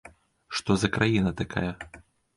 Што за краіна такая?